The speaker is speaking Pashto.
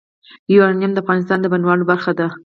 یورانیم د افغانستان د بڼوالۍ برخه ده.